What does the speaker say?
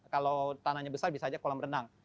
kalau tanahnya besar bisa aja kolam renang